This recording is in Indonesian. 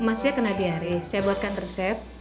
mas saya kena di hari saya buatkan resep